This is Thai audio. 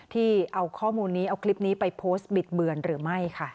ที่เอาข้อมูลนี้เอาคลิปนี้ไปโพสต์บิดเบือนหรือไม่ค่ะ